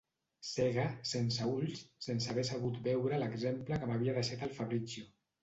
Cega, sense ulls, sense haver sabut veure l'exemple que m'havia deixat el Fabrizio.